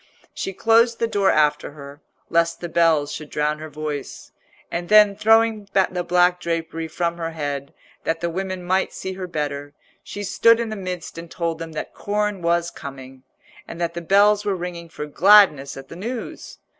She closed the door after her, lest the bells should drown her voice, and then throwing the black drapery from her head, that the women might see her better, she stood in the midst and told them that corn was coming, and that the bells were ringing for gladness at the news.